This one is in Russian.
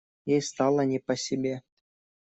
Ей стало не по себе.